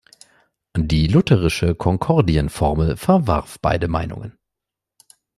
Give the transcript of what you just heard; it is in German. Die lutherische Konkordienformel verwarf beide Meinungen.